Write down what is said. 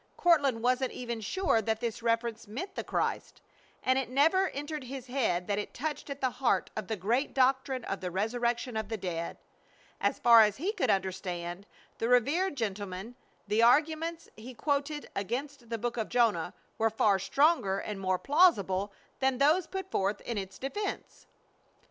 Courtland wasn't even sure that this reference meant the Christ, and it never entered his head that it touched at the heart of the great doctrine of the resurrection of the dead. As far as he could understand the reverend gentleman the arguments he quoted against the Book of Jonah were far stronger and more plausible than those put forth in its defense.